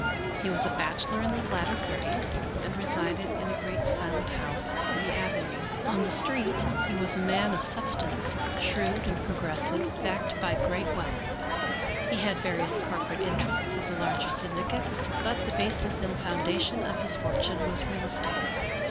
He was a bachelor in the latter thirties, and resided in a great silent house on the avenue. On the street he was a man of substance, shrewd and progressive, backed by great wealth. He had various corporate interests in the larger syndicates, but the basis and foundation of his fortune was real estate.